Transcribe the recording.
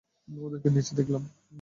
ওদেরকে নিচে দেখলাম!